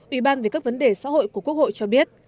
ủy ban về các vấn đề xã hội của quốc hội cho biết